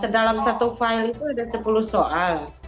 dalam satu file itu ada sepuluh soal